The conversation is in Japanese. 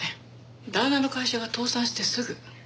旦那の会社が倒産してすぐ。